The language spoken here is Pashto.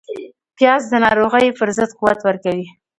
پیاز د ناروغیو پر ضد قوت ورکوي